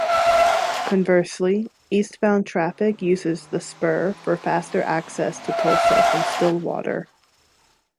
Conversely, eastbound traffic uses the spur for faster access to Tulsa from Stillwater.